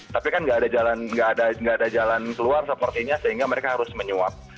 tapi kan nggak ada jalan keluar sepertinya sehingga mereka harus menyuap